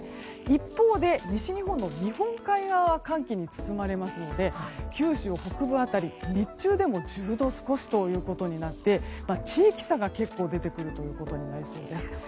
一方で、西日本の日本海側は寒気に包まれますので九州北部辺り日中でも１０度少しとなって地域差が結構出てくることになりそうです。